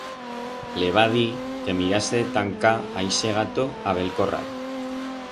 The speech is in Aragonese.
Le va dir que mirase de tancar a ixe gato a bell corral.